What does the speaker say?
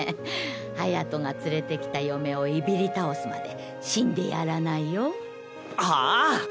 隼が連れてきた嫁をいびりたおすまで死んでやらないよはあ